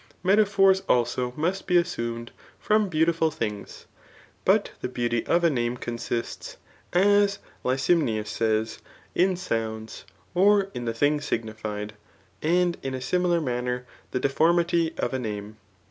Metaphors also must be assumed from beatutiful things. But the beauty of a name consists, as Lycimnius says, in sounds, or in the thing signified ; and in a similar manner the deformity of a name.